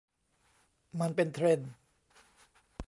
มันเป็นเทรนด์ ?